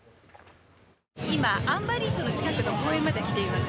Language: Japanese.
今、アンヴァリッドの近くの公園まで来ています。